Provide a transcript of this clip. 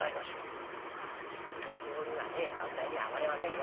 「あなた来て早々にはね番台に上がれませんよ。